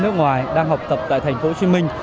nước ngoài đang học tập tại thành phố hồ chí minh